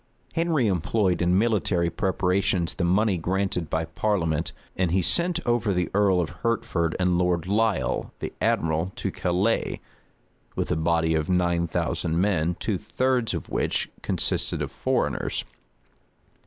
} Henry employed in military preparations the money granted by parliament; and he sent over the earl of Hertford and Lord Lisle, the admiral, to Calais, with a body of nine thousand men, two thirds of which consisted of foreigners.